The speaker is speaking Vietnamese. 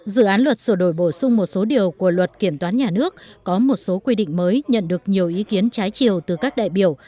dự án luật sửa đổi bổ sung một số điều của luật kiểm toán nhà nước có một số quy định mới nhận được nhiều ý kiến trái chiều từ các đại biểu